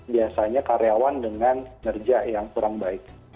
biasanya karyawan dengan nerja yang kurang baik